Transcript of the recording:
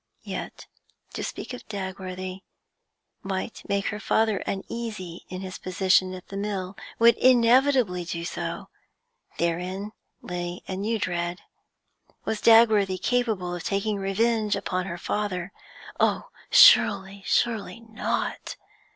Yet to speak of Dagworthy might make her father uneasy in his position at the mill would inevitably do so. Therein lay a new dread. Was Dagworthy capable of taking revenge upon her father? Oh surely, surely not!